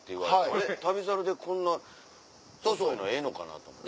えっ『旅猿』でこんな遅いのええのかな？と思って。